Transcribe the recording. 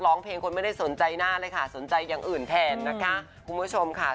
ร้องเพลงคนไม่ได้สนใจหน้าเลยค่ะสนใจอย่างอื่นแทนนะคะคุณผู้ชมค่ะ